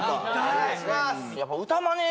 お願いします！